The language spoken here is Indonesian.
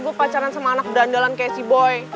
gue pacaran sama anak berdandalan kayak si boy